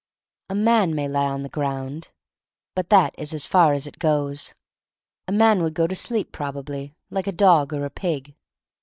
A man may lie on the ground — but that is as far as it goes. A man would go to sleep, probably, like a dog or a pig.